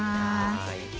はい。